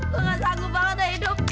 gua nggak sanggup banget ya hidup